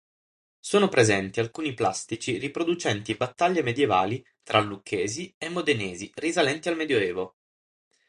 Sono presenti alcuni plastici riproducenti battaglie medioevali tra lucchesi e modenesi risalenti al medioevo.